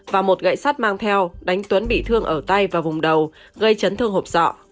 và một gậy sát mang theo đánh tuấn bị thương ở tay và vùng đầu gây chấn thương hộp sọ